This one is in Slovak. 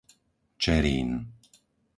Čerín